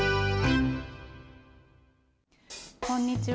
こんにちは。